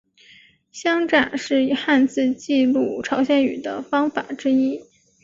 乡札是以汉字记录朝鲜语的方法之一。